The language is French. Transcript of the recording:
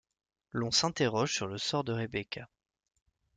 L'on s'interroge sur le sort de Rebecca.